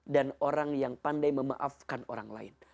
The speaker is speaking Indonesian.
dan orang yang pandai memaafkan orang lain